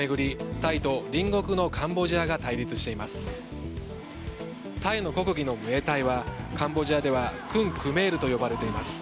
タイの国技のムエタイはカンボジアではクンクメールと呼ばれています。